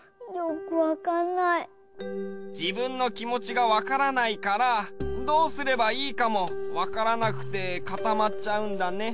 じぶんのきもちがわからないからどうすればいいかもわからなくてかたまっちゃうんだね。